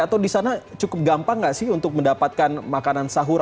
atau di sana cukup gampang nggak sih untuk mendapatkan makanan sahur